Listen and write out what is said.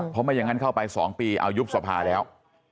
เพราะไม่อย่างนั้นเข้าไป๒ปีเอายุบสภาแล้ว